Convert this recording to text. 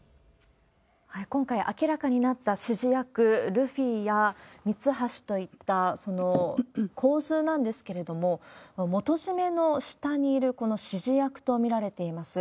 今回、明らかになった指示役、ルフィや、ミツハシといったその構図なんですけれども、元締めの下にいる指示役と見られています。